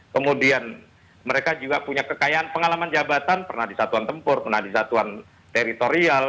kemudian mereka juga punya kekayaan pengalaman jabatan pernah di satuan tempur pernah di satuan teritorial